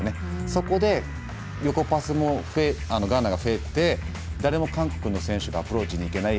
そこで横パスも、ガーナが増えて誰も韓国の選手がアプローチにいけない。